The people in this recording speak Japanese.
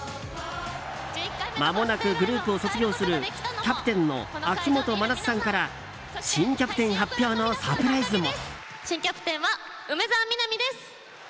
まもなくグループを卒業するキャプテンの秋元真夏さんから新キャプテン発表のサプライズも。